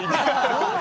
本当？